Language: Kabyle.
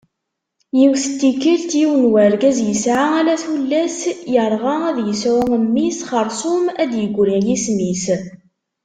Yiwet n tikkelt, yiwen n urgaz, yesεa ala tullas, yerγa ad yesεu mmi-s, xersum ad d-yegri yisem-is.